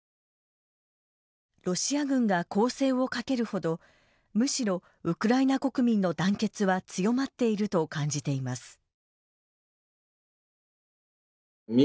ロシア軍が攻勢をかけるほどむしろウクライナ国民の団結は強まっていると感じています。